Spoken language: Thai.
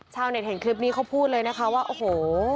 ชาวเน็ตเห็นคลิปนี้เขาพูดเลยนะคะว่าโอ้โห